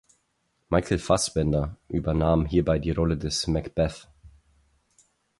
Michael Fassbender übernahm hierbei die Rolle des Macbeth.